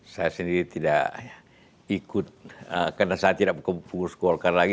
saya sendiri tidak ikut karena saya tidak bukan pengurus golkar lagi